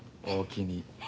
おおきに。